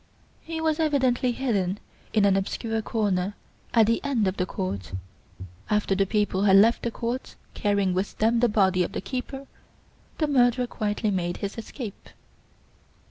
"He was evidently hidden in an obscure corner at the end of the court. After the people had left the court carrying with them the body of the keeper, the murderer quietly made his escape."